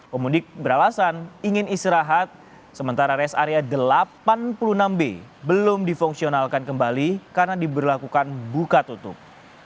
pemudik beralasan ingin istirahat sementara rest area delapan puluh enam b belum difungsionalkan kembali karena diberlakukan buka tutup